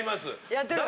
やってる。